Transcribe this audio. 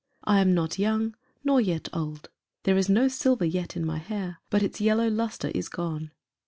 I am not young nor yet old. There is no silver yet in my hair, but its yellow lustre is gone.